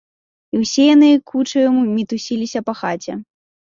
І ўсе яны кучаю мітусіліся па хаце.